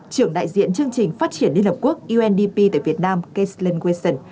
trưởng đại diện chương trình phát triển liên hợp quốc tại việt nam kaclan wilson